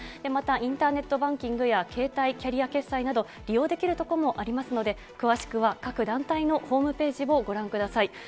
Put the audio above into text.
またインターネットバンキングや携帯キャリア決済など、利用できるところもありますので、詳しくは各団体のホームページをご覧ください。